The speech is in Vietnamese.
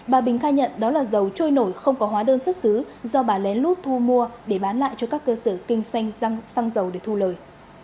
bà bình khai nhận đó là dầu trôi nổi không có hóa đơn xuất xứ do bà lén lút thu mua để bán lại cho các cơ sở kinh doanh răng xăng dầu để thu lời